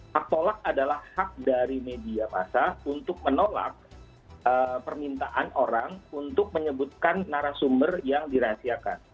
hak tolak adalah hak dari media masa untuk menolak permintaan orang untuk menyebutkan narasumber yang dirahasiakan